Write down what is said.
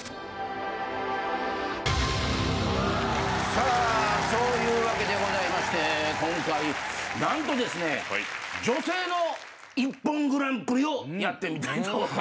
さあそういうわけでございまして今回何とですね女性の『ＩＰＰＯＮグランプリ』をやってみたいと。